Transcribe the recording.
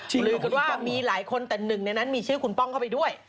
ลือกันว่ามีหลายคนแต่หนึ่งในนั้นมีชื่อคุณป้องเข้าไปด้วย